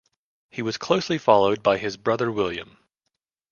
He was closely followed by his brother William.